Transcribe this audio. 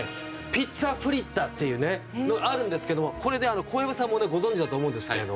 ピッツァフリッタっていうねあるんですけどもこれね小籔さんもご存じだと思うんですけれど。